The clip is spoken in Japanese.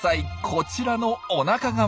こちらのおなか側。